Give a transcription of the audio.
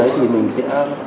thì mình sẽ